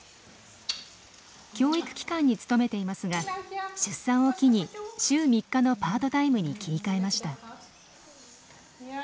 教育機関に勤めていますが出産を機に週３日のパートタイムに切り替えました。